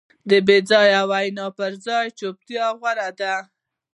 د بېځایه وینا پر ځای چوپتیا غوره ده.